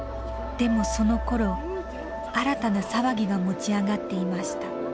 でもそのころ新たな騒ぎが持ち上がっていました。